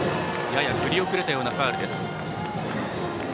やや振り遅れたようなファウル。